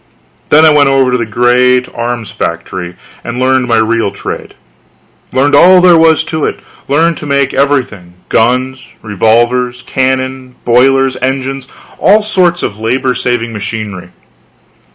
Then I went over to the great arms factory and learned my real trade; learned all there was to it; learned to make everything: guns, revolvers, cannon, boilers, engines, all sorts of labor saving machinery.